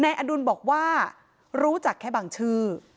อดุลบอกว่ารู้จักแค่บางชื่อ